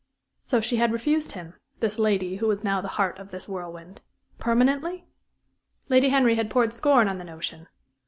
So she had refused him this lady who was now the heart of this whirlwind? Permanently? Lady Henry had poured scorn on the notion.